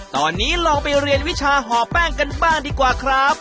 ตอนนี้ลองไปเรียนวิชาห่อแป้งกันบ้างดีกว่าครับ